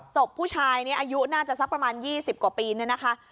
ศพผู้ชายนี้อายุน่าจะสักประมาณ๒๐กว่าปีเนี่ยนะคะ